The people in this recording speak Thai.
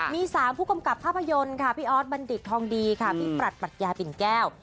มี๓ผู้กำกับภาพยนตร์ค่ะพี่ออสบัณฑิตทองดีค่ะพี่ปรัชปรัชญาปิ่นแก้ว